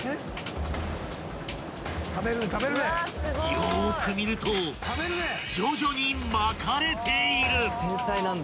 ［よーく見ると徐々に巻かれている］